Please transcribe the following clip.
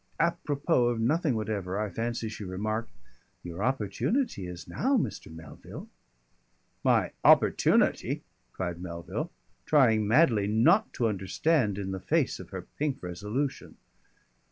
Apropos of nothing whatever I fancy she remarked, "Your opportunity is now, Mr. Melville." "My opportunity!" cried Melville, trying madly not to understand in the face of her pink resolution.